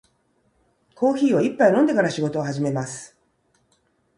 コーヒーを一杯飲んでから仕事を始めます。